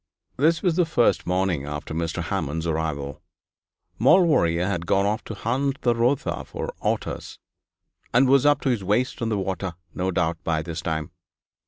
This was on the first morning after Mr. Hammond's arrival. Maulevrier had gone off to hunt the Rotha for otters, and was up to his waist in the water, no doubt, by this time.